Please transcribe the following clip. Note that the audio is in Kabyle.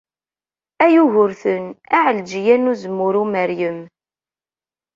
A Yugurten! A Ɛelǧiya n Uzemmur Umeryem!